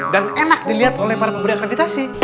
dan enak dilihat oleh para pemberi akreditasi